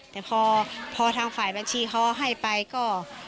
แต่พอทางฝ่ายบัญชีเขาให้ไปก็